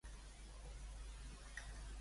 De qui es tracta de Dionís de Milet?